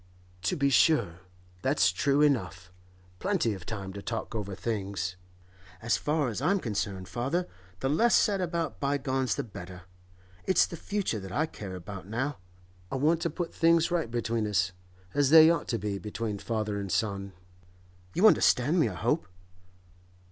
'To be sure; that's true enough. Plenty of time to talk over things. As far as I'm concerned, father, the less said about bygones the better; it's the future that I care about now. I want to put things right between us—as they ought to be between father and son. You understand me, I hope?